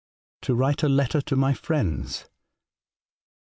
' To write a letter to my friends.'